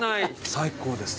最高です。